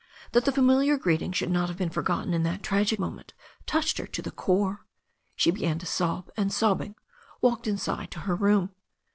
That the familiar greeting should not have been forgotten in that tragic moment touched her to the core. She began to sob, and, sobbing, walked inside to her room.